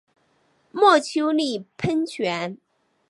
墨丘利喷泉。